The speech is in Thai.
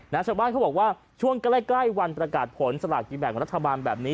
นักชาวบ้านเขาบอกว่าช่วงใกล้วันประกาศผลสลากดีแบบของรัฐบาลแบบนี้